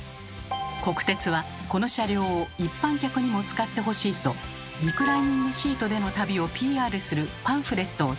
国鉄はこの車両を一般客にも使ってほしいとリクライニングシートでの旅をＰＲするパンフレットを作成。